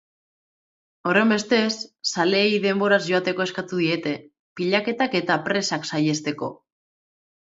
Horrenbestez, zaleei denboraz joateko eskatu diete, pilaketak eta presak saihesteko.